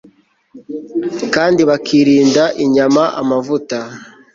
kandi bakirinda inyama amavuta